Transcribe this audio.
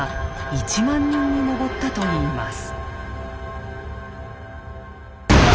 １万人に上ったといいます。